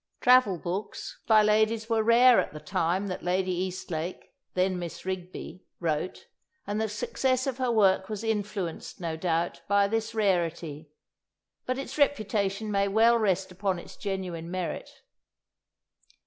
Travel books by ladies were rare at the time that Lady Eastlake (then Miss Rigby) wrote, and the success of her work was influenced, no doubt, by this rarity; but its reputation may well rest upon its genuine merit.